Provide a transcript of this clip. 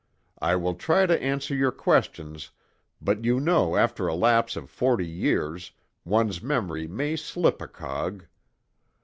I will try to answer your questions, but you know after a lapse of forty years, one's memory may slip a cog.